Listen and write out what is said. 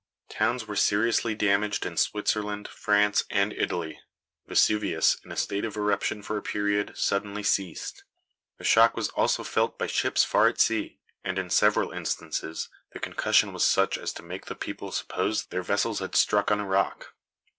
Towns were seriously damaged in Switzerland, France and Italy. Vesuvius, in a state of eruption for a period, suddenly ceased. The shock was also felt by ships far at sea, and, in several instances, the concussion was such as to make the people suppose their vessels had struck on a rock.